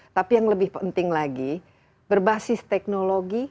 tapi yang lebih penting lagi berbasis teknologi